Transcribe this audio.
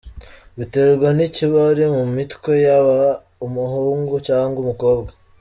’Biterwa n’ikibari mu mitwe yaba umuhungu cyangwa umukobwa .